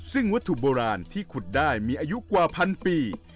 ซึ่งวัตถุโบราณที่ขุดได้มีอายุกว่าพันปี